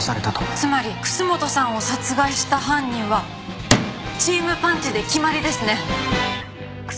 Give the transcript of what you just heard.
つまり楠本さんを殺害した犯人はチームパンチで決まりですね！